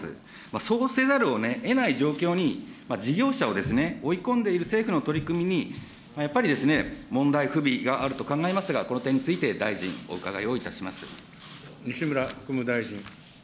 そうせざるをえない状況に、事業者を追い込んでいる政府の取り組みに、やっぱり問題、不備があると考えますが、この点について、大臣、お伺いをいたし西村国務大臣。